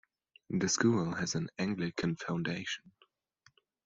The school has an Anglican foundation.